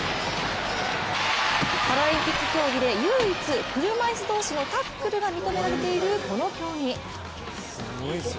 パラリンピック競技で唯一車いす同士のタックルが認められているこの競技。